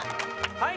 はい。